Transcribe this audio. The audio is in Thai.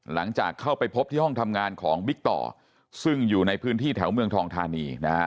หลังจากเข้าไปพบที่ห้องทำงานของบิ๊กต่อซึ่งอยู่ในพื้นที่แถวเมืองทองธานีนะฮะ